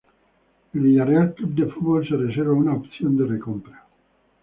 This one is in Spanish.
El Villarreal Club de Fútbol se reserva una opción de recompra.